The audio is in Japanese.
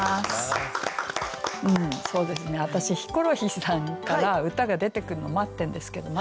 そうですね私ヒコロヒーさんから歌が出てくるの待ってるんですけどまだですか？